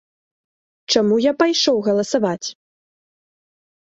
Чаму я пайшоў галасаваць?